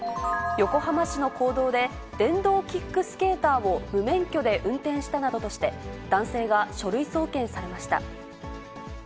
横浜市の公道で、電動キックスケーターを無免許で運転したなどとして、男性が書類送検されました。